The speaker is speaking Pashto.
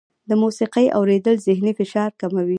د موسیقۍ اورېدل ذهني فشار کموي.